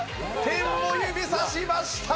天を指さしました！